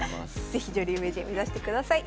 是非女流名人目指してください。